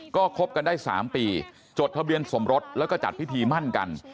ก็คบกันได้๓ปีจดทะเบียนสมรสแล้วก็จัดพิธีมั่นกัน